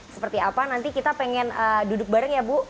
seperti apa nanti kita pengen duduk bareng ya bu